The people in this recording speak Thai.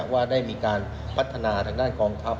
ว่าได้มีการพัฒนาทางด้านกองทัพ